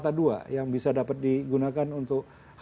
oke casista cantik banget deh